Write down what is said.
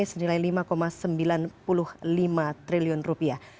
senilai lima sembilan puluh lima triliun rupiah